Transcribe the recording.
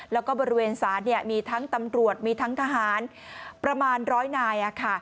แล้วก็บริเวณศาลมีทั้งตำรวจมีทั้งทหารประมาณร้อยนาย